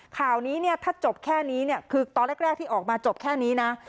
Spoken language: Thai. ข่าวนี้เนี่ยถ้าจบแค่นี้เนี่ยคือตอนแรกที่ออกมาจบแค่นี้นะ